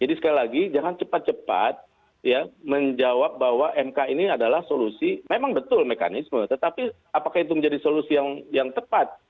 jadi sekali lagi jangan cepat cepat ya menjawab bahwa mk ini adalah solusi memang betul mekanisme tetapi apakah itu menjadi solusi yang tepat